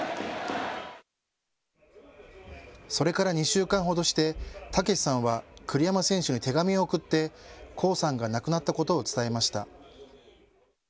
それから２週間ほどして毅さんは栗山選手に手紙を送って巧さんが亡くなったことを伝えました。